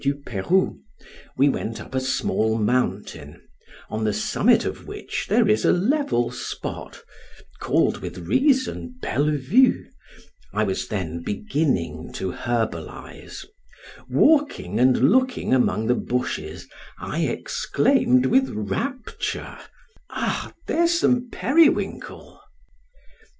du Peyrou, we went up a small mountain, on the summit of which there is a level spot, called, with reason, 'Belle vue', I was then beginning to herbalize; walking and looking among the bushes, I exclaimed with rapture, "Ah, there's some periwinkle!"